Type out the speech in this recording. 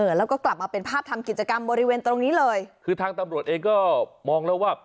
แล้วก็กลับมาเป็นภาพทำกิจกรรมบริเวณตรงนี้เลยคือทางตำรวจเองก็มองแล้วว่า